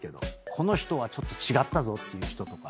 この人はちょっと違ったぞっていう人とか。